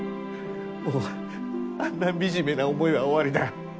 もうあんな惨めな思いは終わりだ。